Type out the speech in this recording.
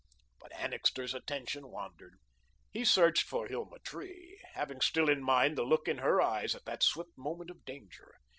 But Annixter's attention wandered. He searched for Hilma Tree, having still in mind the look in her eyes at that swift moment of danger.